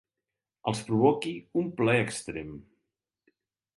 Els provoqui un plaer extrem.